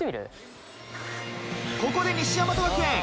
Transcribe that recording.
ここで西大和学園。